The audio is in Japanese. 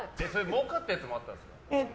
儲かったやつもあったんですか？